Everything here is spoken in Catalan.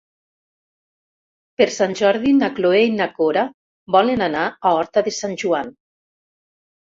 Per Sant Jordi na Cloè i na Cora volen anar a Horta de Sant Joan.